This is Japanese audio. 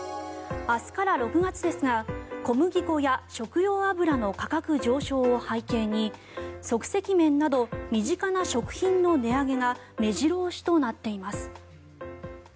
明日から６月ですが小麦粉や食用油の価格上昇を背景に即席麺など身近な食品の値上げが目白押しとなっています。